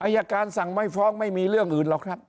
การสั่งไม่ฟ้องไม่มีเรื่องอื่นหรอกครับ